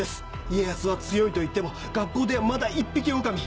家康は強いといっても学校ではまだ一匹おおかみ。